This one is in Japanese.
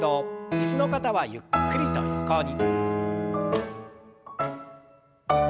椅子の方はゆっくりと横に。